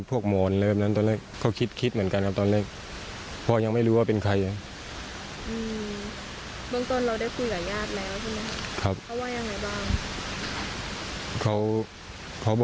วันที่๓อิตรประมาณ๗โมงเช้า